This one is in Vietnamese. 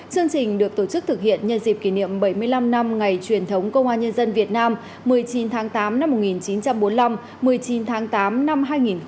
chương trình được tổ chức thực hiện nhân dịp kỷ niệm bảy mươi năm năm ngày truyền thống công an nhân dân việt nam một mươi chín tháng tám năm một nghìn chín trăm bốn mươi năm một mươi chín tháng tám năm hai nghìn hai mươi